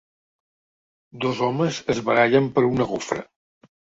Dos homes es barallen per una gofra.